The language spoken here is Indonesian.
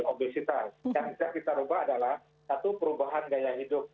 obesitas yang bisa kita ubah adalah satu perubahan gaya hidup